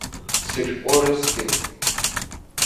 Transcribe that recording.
Сышәҟәы рысҭеит.